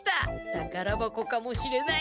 たからばこかもしれない。